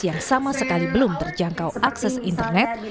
yang sama sekali belum terjangkau akses internet